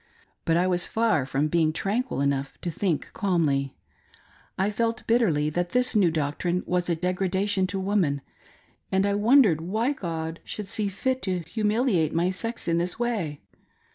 But I was far from being tranquil enough to think calmly. I felt bitterly that this new doctrine was a degradation to woman, and I wondered why God should see fit to humiliate my sex in this way.